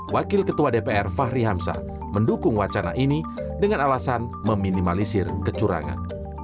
wakil ketua dpr fahri hamzah mendukung wacana ini dengan alasan meminimalisir kecurangan